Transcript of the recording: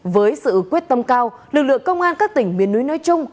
với sự quyết tâm cao lực lượng công an các tỉnh biên núi nói chung